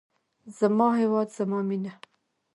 زما هیواد زما مینه.